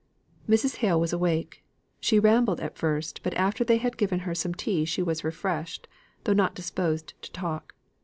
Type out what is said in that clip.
Mrs. Hale was awake. She rambled at first; but after they had given her some tea she was refreshed, though not disposed to talk.